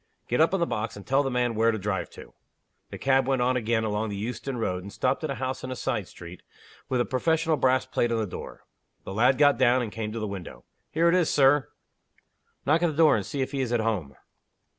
"Get up on the box, and tell the man where to drive to." The cab went on again along the Euston Road, and stopped at a house in a side street, with a professional brass plate on the door. The lad got down, and came to the window. "Here it is, Sir." "Knock at the door, and see if he is at home."